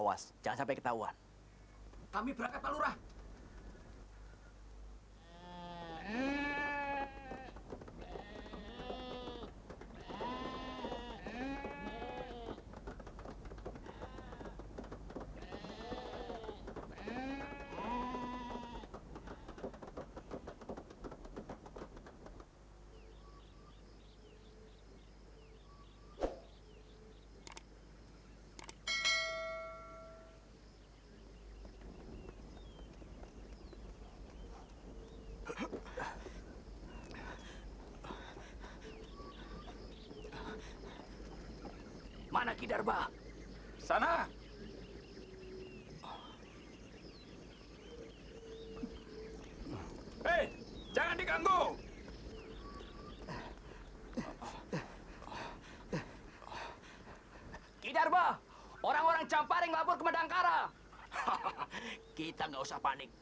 awas jangan sampai ketahuan